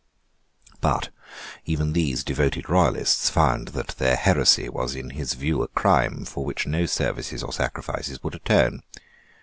But even these devoted royalists found that their heresy was in his view a crime for which no services or sacrifices would atone.